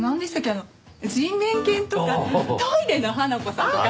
あの人面犬とかトイレの花子さんとか。